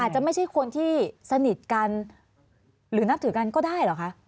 จะไม่ใช่คนที่สนิทกันหรือนับถือกันก็ได้เหรอคะ